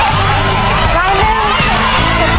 ส่วนคนนั้น